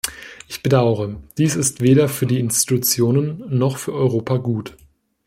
Ich bedaure, dies ist weder für die Institutionen noch für Europa gut.